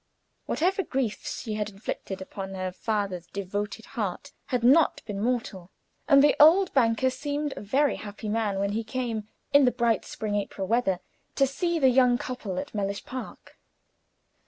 Whatever griefs she had inflicted upon her father's devoted heart had not been mortal, and the old banker seemed a very happy man when he came, in the bright April weather, to see the young couple at Mellish Park.